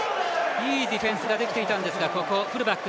いいディフェンスができていたんですがここ、フルバック。